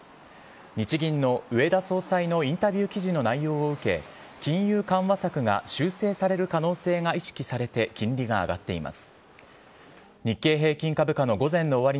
日銀の植田総裁のインタビュー記事の内容を受け、金融緩和策が修正される可能性が意識されて金利が上がっています。